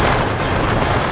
aku akan menang